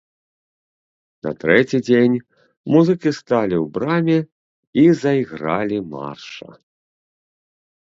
На трэці дзень музыкі сталі ў браме і зайгралі марша.